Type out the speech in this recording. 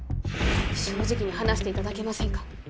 正直に話して頂けませんか。